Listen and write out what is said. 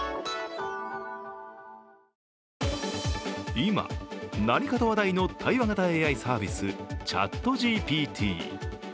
今、何かと話題の対話型ＡＩサービス、ＣｈａｔＧＰＴ。